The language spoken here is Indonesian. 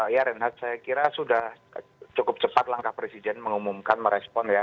ya renhat saya kira sudah cukup cepat langkah presiden mengumumkan merespon ya